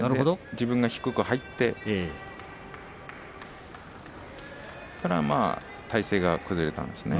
自分が低く入ってそれで体勢が崩れましたね